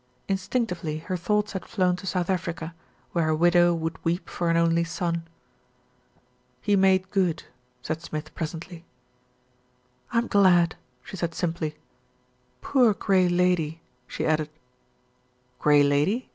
Instinctively her thoughts had flown to South Africa, where a widow would weep for an only son. "He made good," said Smith presently. "I'm glad," she said simply. "Poor Grey Lady," she added. "Grey Lady?"